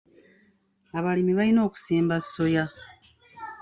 Abalimi balina okusimba soya.